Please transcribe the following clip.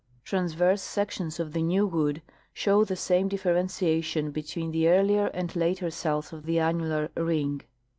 Transverse sections of the new wood show the same differentiation between the earlier and later cells of the annular ring.